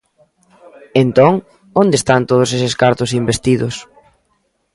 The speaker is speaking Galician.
Entón, ¿onde están todos eses cartos investidos?